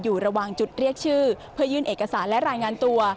อยู่ระหว่างจุดเรียกชื่อเพื่อยื่นเอกสารและรายงานตัว